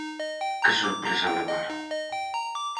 Que sorpresa levaron!